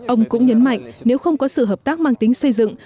ông cũng nhấn mạnh nếu không có sự hợp tác mang tính xây dựng